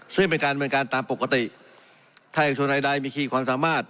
ซึ่งเป็นการเป็นการตามปกติถ้าอย่างชนใดใดมีขี้ความสามารถ